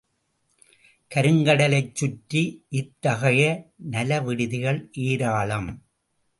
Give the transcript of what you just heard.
கருங்கடலைச் சுற்றி இத்தஃகைய நலவிடுதிகள் ஏராளம்.